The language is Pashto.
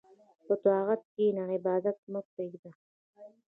په طاعت کښېنه، عبادت مه پرېږده.